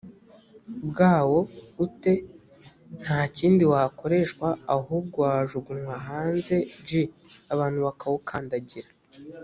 bwawo ute nta kindi wakoreshwa ahubwo wajugunywa hanze j abantu bakawukandagira